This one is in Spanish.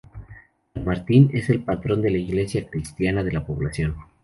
San Martín es el patrón de la iglesia cristiana de la población.